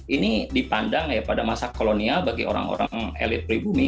ini dipandang ya pada masa kolonial bagi orang orang elit pribumi